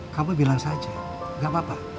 kamu bilang saja gak apa apa